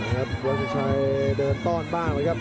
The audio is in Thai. วัสดิ์สินชัยเดินต้อนบ้างไปครับ